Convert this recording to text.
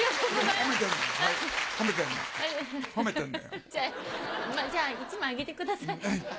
まぁじゃ１枚あげてください。